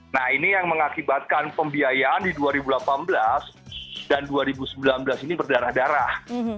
nah ini yang mengakibatkan pembiayaan di dua ribu delapan belas dan dua ribu sembilan belas ini berdarah darah